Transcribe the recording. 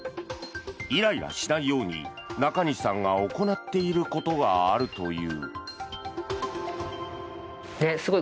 イライラしないように中西さんが行っていることがあるという。